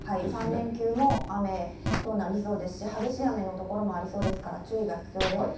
３連休も雨となりそうですし、激しい雨の所もありそうですから、注意が必要です。